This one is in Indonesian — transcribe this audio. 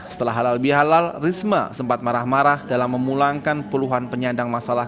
setelah halal bihalal risma sempat marah marah dalam memulangkan puluhan penyandang masalah